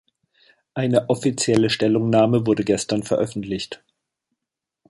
Eine offizielle Stellungnahme wurde gestern veröffentlicht.